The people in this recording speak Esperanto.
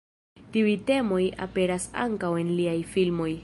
Tiuj temoj aperas ankaŭ en liaj filmoj.